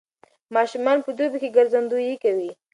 ماشومان په دوبي کې ګرځندويي کوي.